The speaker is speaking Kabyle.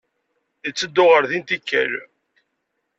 Itteddu ɣer din tikkal.